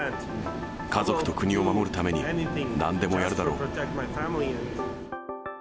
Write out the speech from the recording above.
家族と国を守るために、なんでもやるだろう。